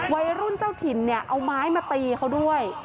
วัยรุ่นเจ้าถิ่นเนี่ยเอาไม้มาตีเขาด้วย